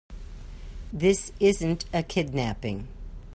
This isn't a kidnapping.